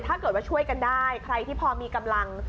ถ้าเกิดว่าช่วยกันได้ใครที่พอมีกำลัง